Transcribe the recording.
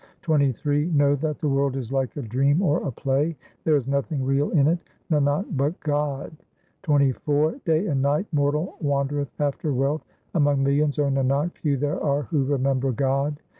XXIII Know that the world is like a dream or 1 a play ; There is nothing real in it, Nanak, but God. XXIV Day and night mortal wandereth after wealth ; Among millions, O Nanak, few there are who remember God.